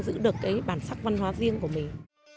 giữ được cái bản sắc văn hóa riêng của mình